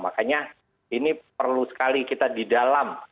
makanya ini perlu sekali kita di dalam